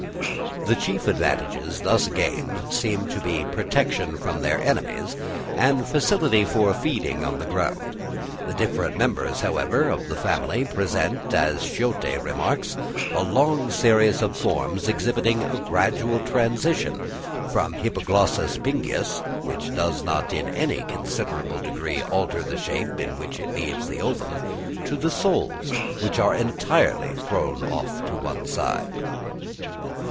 The chief advantages thus gained seem to be protection from their enemies, and facility for feeding on the ground. The different members, however, of the family present, as Schiödte remarks, "a long series of forms exhibiting a gradual transition from Hippoglossus pinguis, which does not in any considerable degree alter the shape in which it leaves the ovum, to the soles, which are entirely thrown to one side."